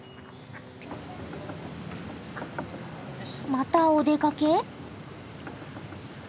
またお出かけ？